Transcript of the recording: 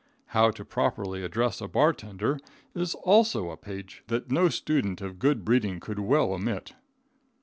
How to properly address a bar tender, is also a page that no student of good breeding could well omit.